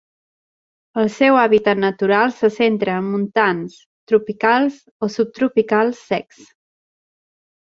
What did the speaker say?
El seu hàbitat natural se centra en montans tropicals o subtropicals secs.